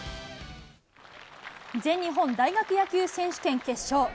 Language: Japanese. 全日本大学野球選手権決勝。